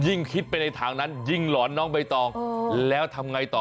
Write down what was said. ยิ่งคิดไปในทางนั้นยิ่งหลอนน้องใบตองแล้วทำไงต่อ